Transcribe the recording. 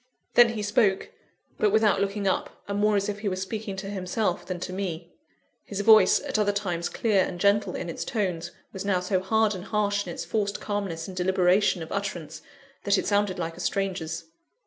Then he spoke; but without looking up, and more as if he were speaking to himself than to me. His voice, at other times clear and gentle in its tones, was now so hard and harsh in its forced calmness and deliberation of utterance, that it sounded like a stranger's.